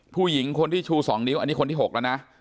ผู้หญิงคนที่ชู๒นิ้วอันนี้คนที่๖แล้วนะ